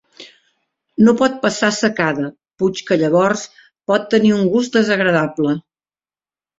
No pot passar secada, puix que llavors pot tenir un gust desagradable.